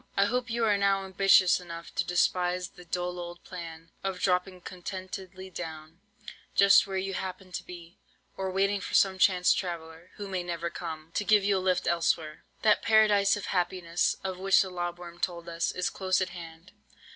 I hope you are now ambitious enough to despise the dull old plan of dropping contentedly down, just where you happen to be, or waiting for some chance traveller (who may never come) to give you a lift elsewhere. That paradise of happiness, of which the lob worm told us, is close at hand.